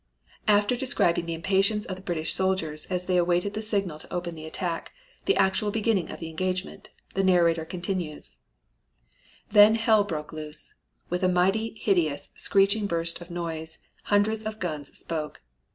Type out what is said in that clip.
After describing the impatience of the British soldiers as they awaited the signal to open the attack, and the actual beginning of the engagement, the narrator continues: "Then hell broke loose. With a mighty, hideous, screeching burst of noise, hundreds of guns spoke.